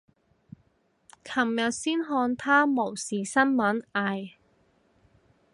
琴日先看他冇事新聞，唉。